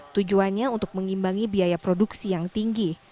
tujuannya untuk mengimbangi biaya produksi yang tinggi